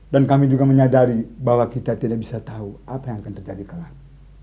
dan kami juga menyadari bahwa kita tidak bisa tahu apa yang akan terjadi kelam